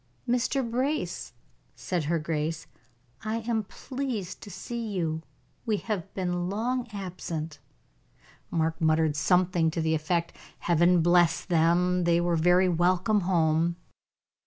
"Mr. Brace," said her grace, "I am pleased to see you. We have been long absent." Mark muttered something to the effect: "Heaven bless them, they were very welcome home."